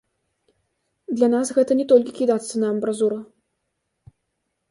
Для нас гэта не толькі кідацца на амбразуру.